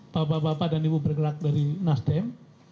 bapak bapak dan ibu bergerak dari nasdem